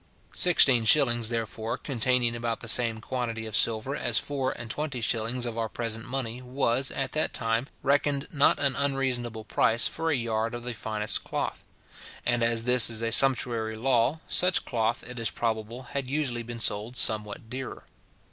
Sixteen shillings, therefore, containing about the same quantity of silver as four and twenty shillings of our present money, was, at that time, reckoned not an unreasonable price for a yard of the finest cloth; and as this is a sumptuary law, such cloth, it is probable, had usually been sold somewhat dearer.